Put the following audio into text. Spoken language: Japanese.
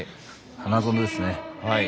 花園ですね。